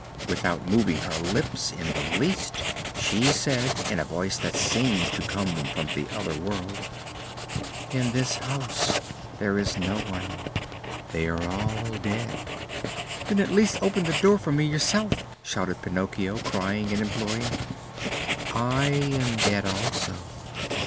Without moving her lips in the least, she said, in a voice that seemed to come from the other world: "In this house there is no one. They are all dead." "Then at least open the door for me yourself," shouted Pinocchio, crying and imploring. "I am dead also."